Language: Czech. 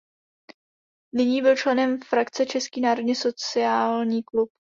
Nyní byl členem frakce Český národně sociální klub.